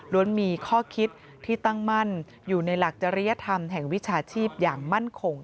มีข้อคิดที่ตั้งมั่นอยู่ในหลักจริยธรรมแห่งวิชาชีพอย่างมั่นคง